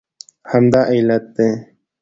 همدا علت دی